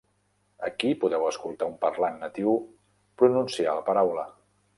Aquí podeu escoltar un parlant natiu pronunciar la paraula.